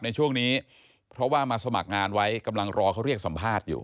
ในช่วงนี้เพราะว่ามาสมัครงานไว้กำลังรอเขาเรียกสัมภาษณ์อยู่